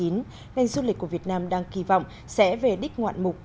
ngành du lịch của việt nam đang kỳ vọng sẽ về đích ngoạn mục